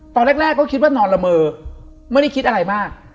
ตอนแรกก็คิดว่านอนละเมอไม่ได้คิดอะไรมาก